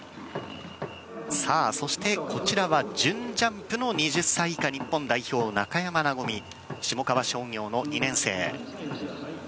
そして、こちらは準ジャンプの２０歳以下、日本代表中山和、下川商業の２年生。